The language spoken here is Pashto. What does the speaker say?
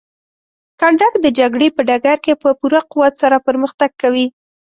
کنډک د جګړې په ډګر کې په پوره قوت سره پرمختګ کوي.